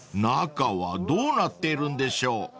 ［中はどうなっているんでしょう？］